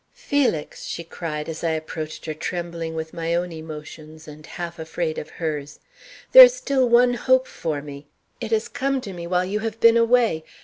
"'Felix,' she cried as I approached her trembling with my own emotions and half afraid of hers, 'there is still one hope for me. It has come to me while you have been away.